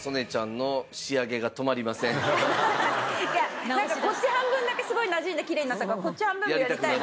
そしてこっち半分だけすごいなじんできれいになったからこっち半分もやりたいなと。